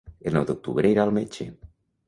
El nou d'octubre irà al metge.